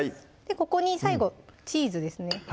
ここに最後チーズですね